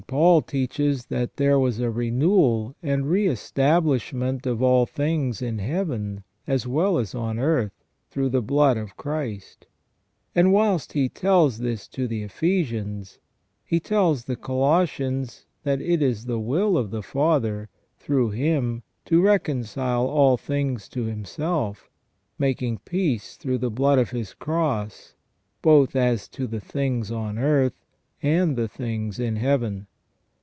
Paul teaches that there was a renewal and re establishment of all things in Heaven as well as on earth, through the blood of Christ ; and whilst he tells this to the Ephesians, he tells the Colossians that it is the will of the Father, " through Him, to reconcile all things to Himself, making peace through the blood of His Cross, both as to the things on earth and the things in Heaven